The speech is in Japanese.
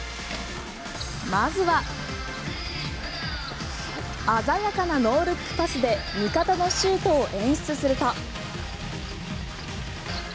まずは鮮やかなノールックパスで味方のシュートを演出すると。